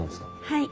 はい。